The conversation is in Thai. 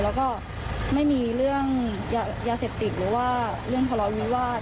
แล้วก็ไม่มีเรื่องยาเสพติดหรือว่าเรื่องทะเลาวิวาส